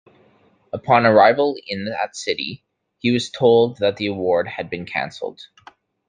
Upon arrival in that city, he was told that the award had been cancelled.